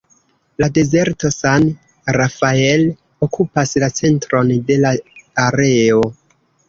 La dezerto "San Rafael" okupas la centron de la areo.